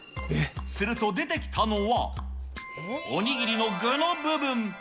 すると、出てきたのは、お握りの具の部分。